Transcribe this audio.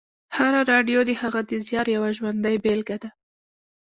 هره راډیو د هغه د زیار یوه ژوندۍ بېلګې ده